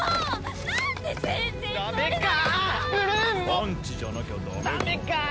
パンチじゃなきゃダメかなあ？